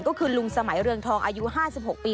ก็คือลุงสมัยเรืองทองอายุ๕๖ปี